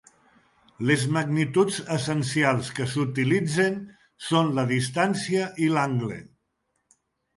Les magnituds essencials que s'utilitzen són la distància i l'angle.